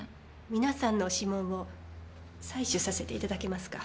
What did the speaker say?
皆さんの指紋も採取させていただけますか？